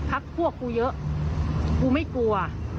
พักพวกกูเยอะกูไม่กลัว